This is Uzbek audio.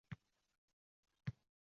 bir boʼlagin uzib olib